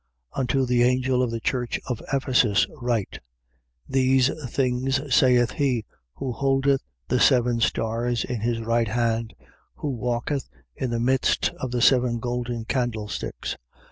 2:1. Unto the angel of the church of Ephesus write: These things saith he who holdeth the seven stars in his right hand, who walketh in the midst of the seven golden candlesticks: 2:2.